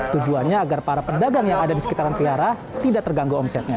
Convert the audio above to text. tujuannya agar para pedagang yang ada di sekitaran pihara tidak terganggu omsetnya